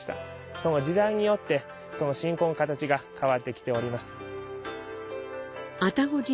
その時代によって信仰の形が変わってきております）